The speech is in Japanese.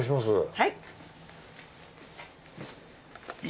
はい。